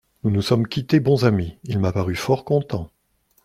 Nous nous sommes quittés bons amis, il m'a paru fort content.